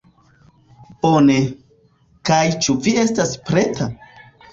Bone. Kaj ĉu vi estas preta?